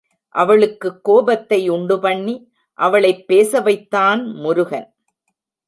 அவளுக்கு கோபத்தை உண்டுபண்ணி அவளைப் பேச வைத்தான் முருகன்.